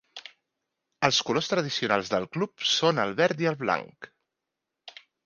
Els colors tradicionals del club són el verd i el blanc.